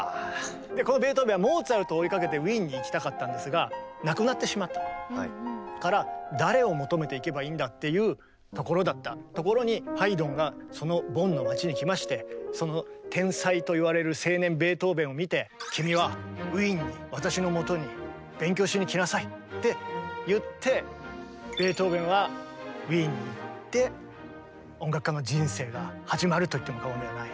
でこのベートーベンはモーツァルトを追いかけてウィーンに行きたかったんですが亡くなってしまったから誰を求めて行けばいいんだっていうところだったところにハイドンがそのボンの町に来ましてその天才といわれる青年ベートーベンを見て「君はウィーンに私のもとに勉強しに来なさい」って言ってベートーベンはウィーンに行って音楽家の人生が始まると言っても過言ではない。